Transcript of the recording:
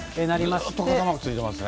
ずっと傘マーク続いてますね。